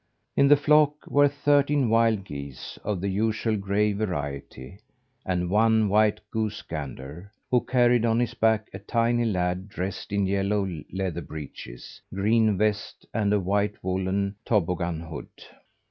In the flock were thirteen wild geese, of the usual gray variety, and one white goosey gander, who carried on his back a tiny lad dressed in yellow leather breeches, green vest, and a white woollen toboggan hood.